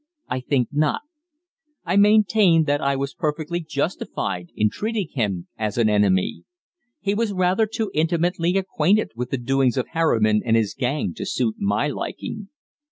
I think not. I maintain that I was perfectly justified in treating him as an enemy. He was rather too intimately acquainted with the doings of Harriman and his gang to suit my liking.